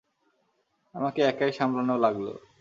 আমাকে একাই সামলানো লাগলো।